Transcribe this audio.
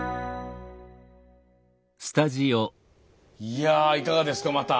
いやいかがですかまた。